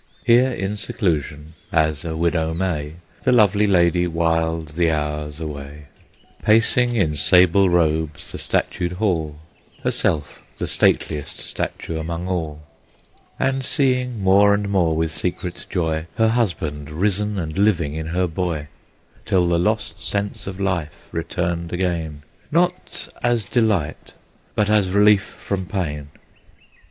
Here in seclusion, as a widow may, The lovely lady whiled the hours away, Pacing in sable robes the statued hall, Herself the stateliest statue among all, And seeing more and more, with secret joy, Her husband risen and living in her boy, Till the lost sense of life returned again, Not as delight, but as relief from pain.